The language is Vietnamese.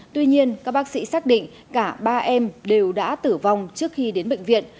tuy nhiên các bác sĩ xác định cả ba em đều đã tử vong trước khi đến bệnh viện